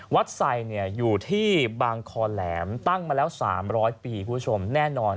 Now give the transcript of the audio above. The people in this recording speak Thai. ใส่อยู่ที่บางคอแหลมตั้งมาแล้ว๓๐๐ปีคุณผู้ชมแน่นอน